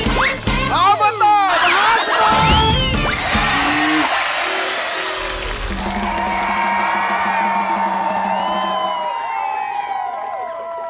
อบอตมหาสนุน